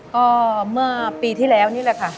ก็เมื่อปีที่แล้วนี่แหละค่ะ